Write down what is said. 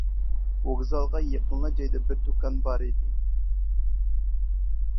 ۋوگزالغا يېقىنلا جايدا بىر دۇكان بار ئىدى.